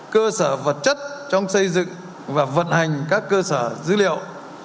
cơ sở vật chất trong xây dựng và vận hành các cơ sở dữ liệu